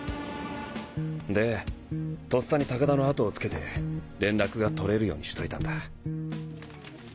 でとっさに高田の後をつけて連絡が取れるようにしといたんだ。